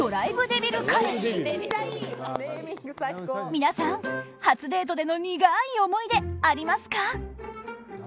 皆さん、初デートでの苦い思い出ありますか？